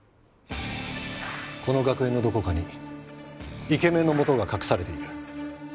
この学園のどこかにイケメンの素が隠されている。